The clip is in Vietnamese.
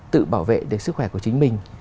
tự bảo vệ được sức khỏe của chính mình